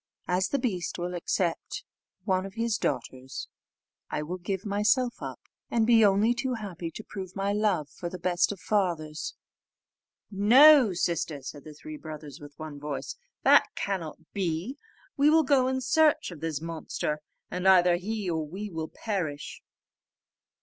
As the beast will accept of one of his daughters, I will give myself up, and be only too happy to prove my love for the best of fathers." "No, sister," said the three brothers with one voice, "that cannot be; we will go in search of this monster, and either he or we will perish."